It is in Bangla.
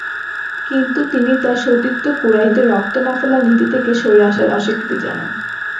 কিন্তু তিনি তার সতীর্থ কুরাইশদের রক্ত না ফেলার নীতি থেকে সরে আসার অস্বীকৃতি জানান।